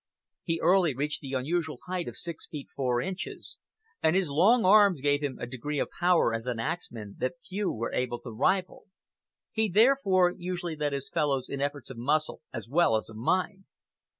He early reached the unusual height of six feet four inches, and his long arms gave him a degree of power as an axman that few were able to rival. He therefore usually led his fellows in efforts of muscle as well as of mind.